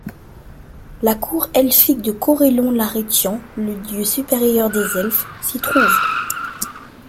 La Cour Elfique de Corellon Larethian, le dieu supérieur des elfes, s'y trouve.